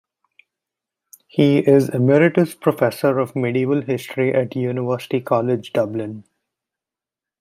He is Emeritus Professor of Medieval History at University College, Dublin.